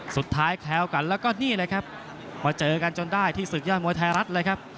แค้วกันแล้วก็นี่เลยครับมาเจอกันจนได้ที่ศึกยอดมวยไทยรัฐเลยครับ